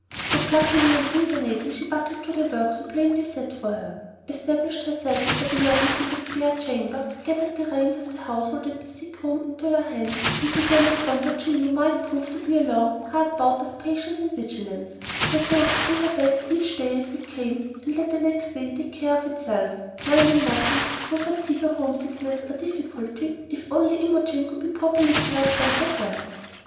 So, pluckily and reasonably, she "buckled to" the work so plainly set for her, established herself and her belongings in the spare chamber, gathered the reins of the household and the sick room into her hands, and began upon what she knew might prove to be a long, hard bout of patience and vigilance, resolved to do her best each day as it came and let the next day take care of itself, minding nothing, no fatigue or homesickness or difficulty, if only Imogen could be properly cared for and get well.